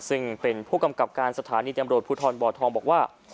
ซึ่งเป็นผู้กำกับการสถานีตำรวจภูทรบ่อทองบอกว่า